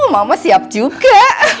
mama siap juga